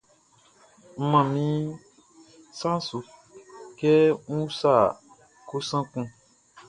N man min sa su kɛ ń úsa kosan kun.